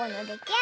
あ！